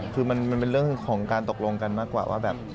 คือมันเป็นเรื่องของการตกลงกันมากกว่าว่าแบบ